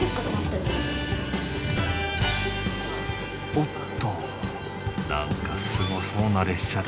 おっと何かすごそうな列車だ。